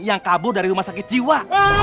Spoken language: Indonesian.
yang kabur dari rumah sakit jiwa